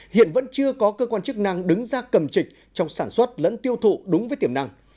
hiện vẫn chưa có cơ quan chức năng đứng ra cầm trịch trong sản xuất lẫn tiêu thụ đúng với tiềm năng